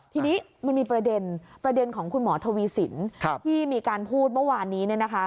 ทีนี้มันมีประเด็นประเด็นของคุณหมอทวีสินทร์ที่มีการพูดเมื่อวานนี้นะคะ